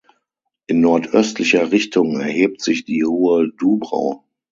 In nordöstlicher Richtung erhebt sich die Hohe Dubrau.